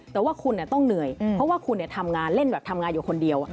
แต่ว่าคุณต้องเหนื่อยเพราะว่าคุณทำงานเล่นแบบทำงานอยู่คนเดียว